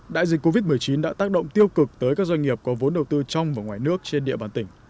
đại dịch covid một mươi chín đã tác động tiêu cực tới các doanh nghiệp có vốn đầu tư trong và ngoài nước trên địa bàn tỉnh